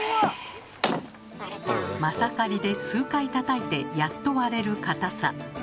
マサカリで数回たたいてやっと割れる硬さ。